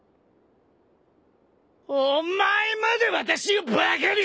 お前まで私をバカにするのか！？